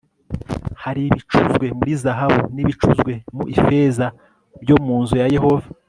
hari ibicuzwe muri zahabu n'ibicuzwe mu ifeza byo mu nzu ya yehova